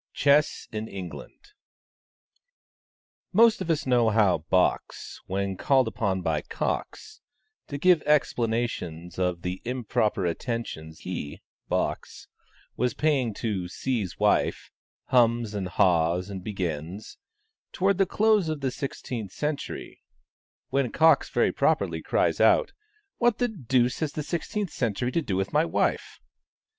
CHESS IN ENGLAND. Most of us know how "Box," when called upon by "Cox," to give explanations of the improper attentions he (Box) was paying to C.'s wife, hums and haws and begins, "Towards the close of the sixteenth century;" when Cox very properly cries out, "What the deuce has the sixteenth century to do with my wife?"